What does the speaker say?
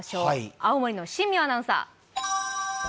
青森の新名アナウンサー。